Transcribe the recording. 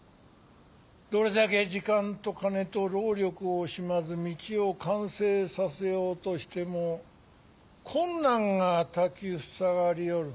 どれだけ時間と金と労力を惜しまず道を完成させようとしても困難が立ちふさがりよる。